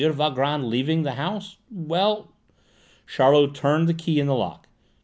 Valgrand leaving the house well!" Charlot turned the key in the lock.